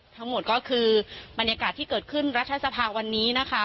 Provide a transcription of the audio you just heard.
ทั้งหมดก็คือบรรยากาศที่เกิดขึ้นรัฐสภาวันนี้นะคะ